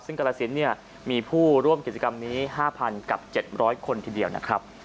ซึ่งกรสินมีผู้ร่วมกิจกรรมนี้๕๐๐กับ๗๐๐คนทีเดียวนะครับ